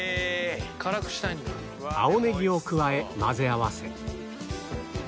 青ネギを加え混ぜ合わせ